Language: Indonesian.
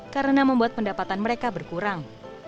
karena membuat pendapatan mereka berkurang